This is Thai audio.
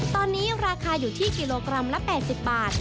ตอนนี้ราคาอยู่ที่กิโลกรัมละ๘๐บาท